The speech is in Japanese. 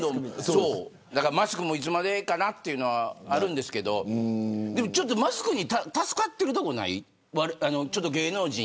マスクもいつまでかなっていうのはあるんですけれどマスクで助かっているところない芸能人。